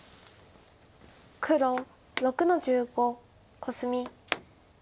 黒６の十五コスミ。